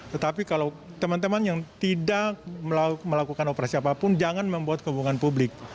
tetapi kalau teman teman yang tidak melakukan operasi apapun jangan membuat hubungan publik